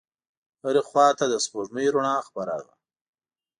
هرې خواته د سپوږمۍ رڼا خپره وه.